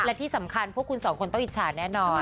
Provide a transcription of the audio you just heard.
และที่สำคัญพวกคุณสองคนต้องอิจฉาแน่นอน